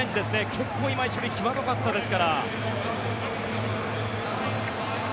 結構今、１塁際どかったですから。